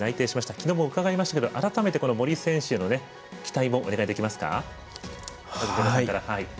昨日も伺いましたけれども改めて、森選手への期待もお願いできますか。